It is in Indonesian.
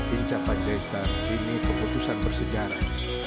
hinca panjaitan ini keputusan bersejarah